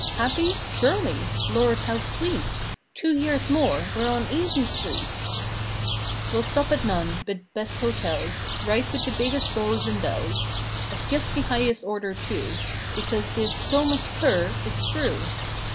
Happy? Surely! Lord, how sweet! Two years more, we're on Easy Street!!! 242 Well stop at none but best hotels; Right with the biggest beaux and belles Of just the highest order, too— Because this so much per* is through!